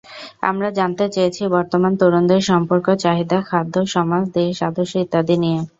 আমরা জানতে চেয়েছি বর্তমান তরুণদের সম্পর্ক, চাহিদা, খাদ্য, সমাজ, দেশ, আদর্শ ইত্যাদি নিয়ে।